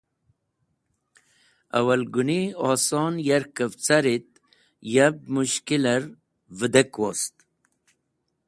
Awalgũni oson yarkvẽ carit yab mushkilẽr vẽdek wost.